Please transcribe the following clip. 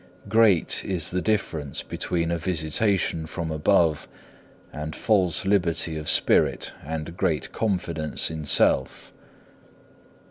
2. Great is the difference between a visitation from above and false liberty of spirit and great confidence in self.